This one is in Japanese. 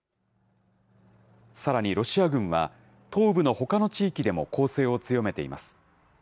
さらにロシア軍は、東部のほかの地域でも攻勢を強めています。